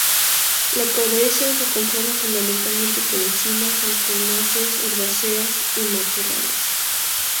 La dehesa se conforma fundamentalmente por encinas, alcornoques, herbáceas y matorrales.